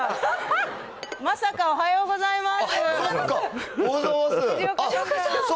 いやー、おはようございます。